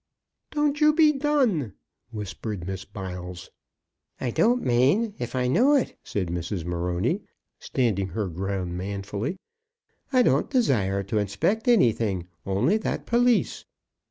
"Don't you be done," whispered Miss Biles. "I don't mane, if I know it," said Mrs. Morony, standing her ground manfully. "I don't desire to inspect anything, only that pelisse."